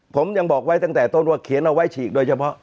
ผมยังบอกไว้ตั้งแต่ต้นว่าเขียนเอาไว้ฉีกโดยเฉพาะ